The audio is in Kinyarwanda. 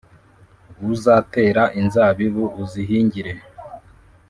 Uzatera inzabibu uzihingire,